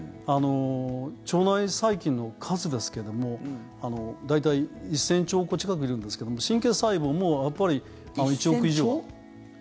腸内細菌の数ですけども大体１０００兆個近くいるんですけど神経細胞もやっぱり１億以上は。